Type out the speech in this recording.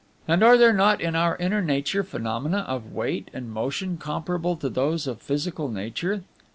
"And are there not in our inner nature phenomena of weight and motion comparable to those of physical nature?